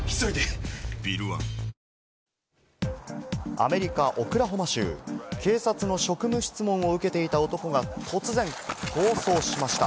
アメリカ・オクラホマ州、警察の職務質問を受けていた男が突然逃走しました。